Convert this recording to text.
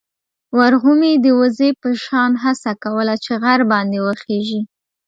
ورغومي د وزې په شان هڅه کوله چې غر باندې وخېژي.